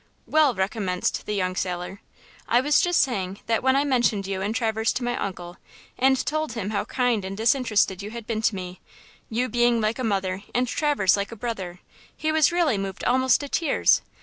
"Well," recommenced the young sailor, "I was just saying that when I mentioned you and Traverse to my uncle, and told him how kind and disinterested you had been to me–you being like a mother and Traverse like a brother–he was really moved almost to tears.